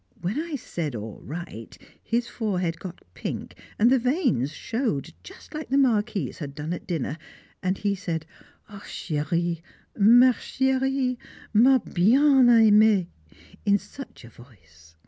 When I said "all right," his forehead got pink, and the veins showed just like the Marquis's had done at dinner, and he said, "Chérie ma chérie, ma bien aimée" in such a voice!